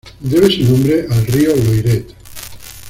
Debe su nombre al río Loiret.